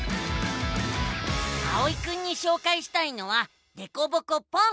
あおいくんにしょうかいしたいのは「でこぼこポン！」。